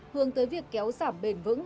hướng tới việc kéo giảm bền vững